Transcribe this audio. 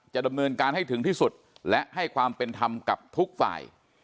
ดำเนินการให้ถึงที่สุดและให้ความเป็นธรรมกับทุกฝ่าย